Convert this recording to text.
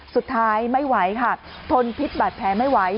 สุดท้ายไม่ไหวค่ะทนพิษบาดแผลไม่ไหว